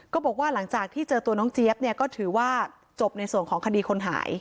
ก็บอกว่าหลังจากที่เจอตัวน้องเจี๊ยบเนี่ยก็ถือว่าจบในส่วนของคดีคนหาย